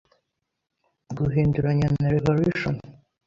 Guhinduranya na Revolution